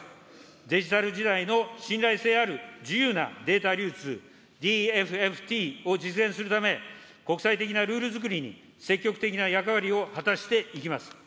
デジタル時代の信頼性ある自由なデータ流通、ＤＦＦＴを実現するため、国際的なルールづくりに積極的な役割を果たしていきます。